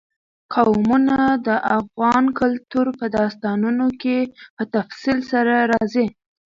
قومونه د افغان کلتور په داستانونو کې په تفصیل سره راځي.